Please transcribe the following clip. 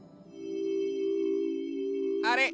あれ？